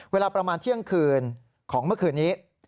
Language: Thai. เวลาประมาณเที่ยงคืนของเมื่อคืนนี้